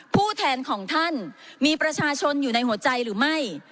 ผู้แทนของท่านมีประชาชนอยู่ในหัวใจหรือไม่